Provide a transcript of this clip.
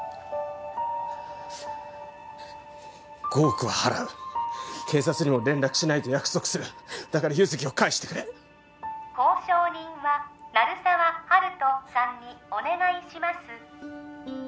５億は払う警察にも連絡しないと約束するだから優月を返してくれ交渉人は鳴沢温人さんにお願いします